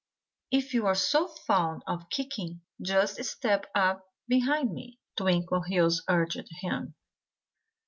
"If you're so fond of kicking, just step up behind me!" Twinkleheels urged him.